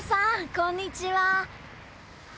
こんにちは。